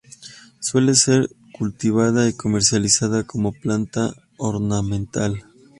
Suele ser cultivada y comercializada como planta ornamental.